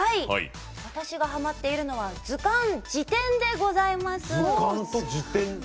私がハマっているのは図鑑・事典でございます。